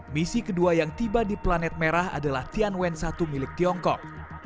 misi kedua yang tiba di planet merah adalah tianwen satu milik tiongkok